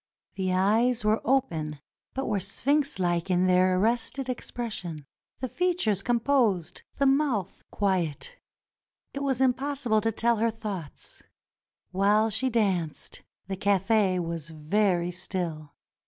The eyes were open but were sphinx like in their arrested expression; the features composed, the mouth quiet. It was impossible to tell her thoughts. While she danced, the cafe was very still.